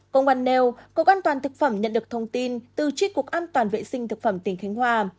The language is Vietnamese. công an nêu cục an toàn thực phẩm nhận được thông tin từ tri cục an toàn vệ sinh thực phẩm tỉnh khánh hòa